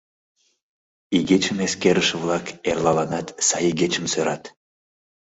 — Игечым эскерыше-влак эрлаланат сай игечым сӧрат.